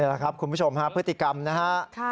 แหละครับคุณผู้ชมฮะพฤติกรรมนะฮะ